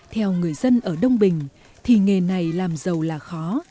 theo người dân ở đông bình thì nghề này làm giàu là khó